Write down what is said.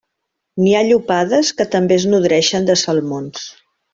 N'hi ha llopades que també es nodreixen de salmons.